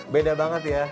beda banget ya